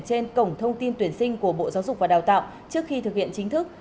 trên cổng thông tin tuyển sinh của bộ giáo dục và đào tạo trước khi thực hiện chính thức